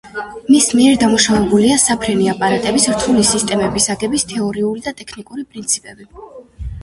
მის მიერ დამუშავებულია საფრენი აპარატების რთული სისტემების აგების თეორიული და ტექნიკური პრინციპები.